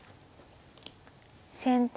先手